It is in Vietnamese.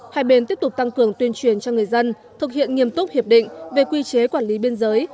hai bên tiếp tục tăng cường tuyên truyền cho người dân thực hiện nghiêm túc hiệp định về quy chế quản lý biên giới